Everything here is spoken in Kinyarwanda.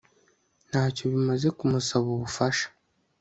ntacyo bimaze kumusaba ubufasha